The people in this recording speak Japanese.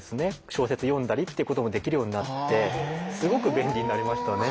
小説読んだりってこともできるようになってすごく便利になりましたね。